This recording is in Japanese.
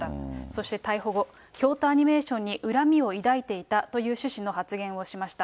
そして逮捕後、京都アニメーションに恨みを抱いていたという趣旨の発言をしました。